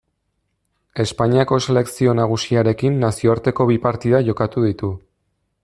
Espainiako Selekzio Nagusiarekin nazioarteko bi partida jokatu ditu.